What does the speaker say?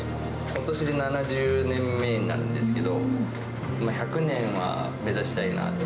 ことしで７０年目なんですけど、１００年は目指したいなって。